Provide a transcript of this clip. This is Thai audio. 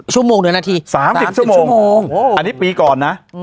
ชั่วโมงหนึ่งนาทีสามสิบชั่วโมงสามสิบชั่วโมงอันนี้ปีก่อนนะ